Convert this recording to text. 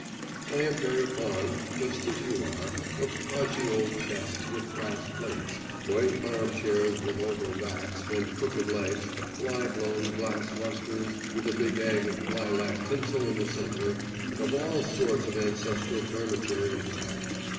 I am very fond, just as you are, of podgy old chests with brass plates, white armchairs with oval backs, and crooked legs, fly blown glass lustres, with a big egg of lilac tinsel in the centre of all sorts of ancestral furniture, in fact.